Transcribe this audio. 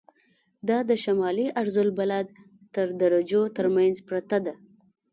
دا د شمالي عرض البلد تر درجو تر منځ پرته ده.